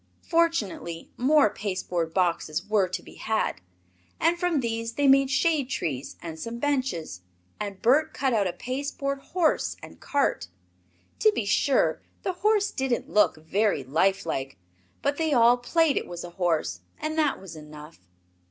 Fortunately, more pasteboard boxes were to be had, and from these they made shade trees and some benches, and Bert cut out a pasteboard horse and cart. To be sure, the horse did not look very lifelike, but they all played it was a horse and that was enough.